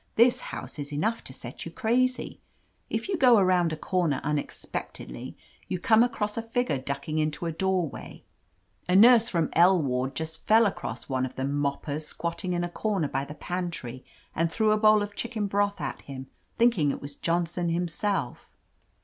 This house is enough to set you crazy. If you go around a comer unexpectedly, you come across a figure ducking into a doorway. A nurse from L ward just fell across one of the jnoppers squatting in a corner by the pantry 129 THE AMAZING ADVENTURES and threw a bowl of chicken broth at him, thinking it was Johnson himself."